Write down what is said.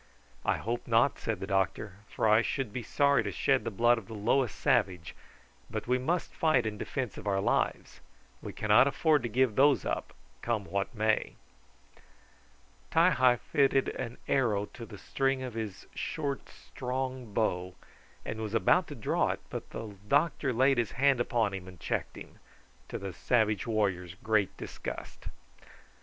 "I hope not," said the doctor, "for I should be sorry to shed the blood of the lowest savage; but we must fight in defence of our lives. We cannot afford to give those up, come what may." Ti hi fitted an arrow to the string of his short, strong bow, and was about to draw it, but the doctor laid his hand upon him and checked him, to the savage warrior's great disgust.